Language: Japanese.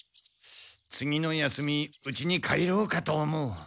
次の休みうちに帰ろうかと思う。